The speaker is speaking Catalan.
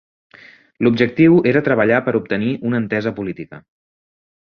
L'objectiu era treballar per obtenir una entesa política.